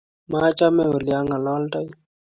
Machame ole angololdai